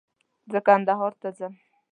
زه کندهار ته ځم